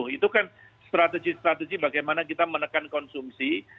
itu kan strategi strategi bagaimana kita menekan konsumsi